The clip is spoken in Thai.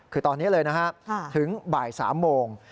คือตอนนี้เลยนะฮะถึงบ่าย๓โมง